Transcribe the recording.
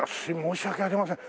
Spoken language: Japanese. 申し訳ありません。